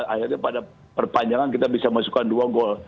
akhirnya pada perpanjangan kita bisa masukkan dua gol